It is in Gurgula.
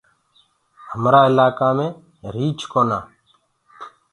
همرآ اِلآئيڪآ مينٚ ريٚڇ ڪونآ۔